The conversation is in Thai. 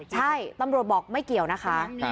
ใช่ตำรวจบอกไม่เกี่ยวนะคะ